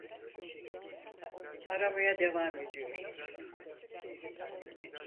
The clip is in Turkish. Aramaya devam ediyoruz.